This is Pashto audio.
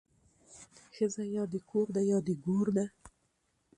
ښځه يا د کور ده يا د ګور ده